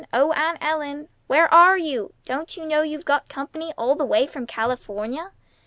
O Aunt Ellen! Where are you? Don't you know you've got company all the way from California?"